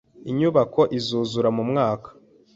Inyubako izuzura mu mwaka.